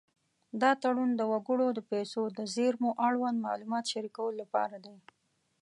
دا تړون د وګړو د پیسو د زېرمو اړوند معلومات شریکولو لپاره دی.